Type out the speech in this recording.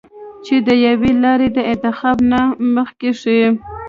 چې د يوې لارې د انتخاب نه مخکښې